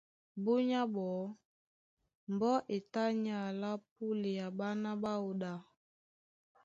Búnyá ɓɔɔ́ mbɔ́ e tá ní alá púlea ɓána ɓáō ɗá.